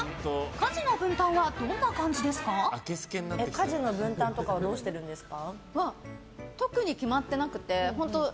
家事の分担はどんな感じですか？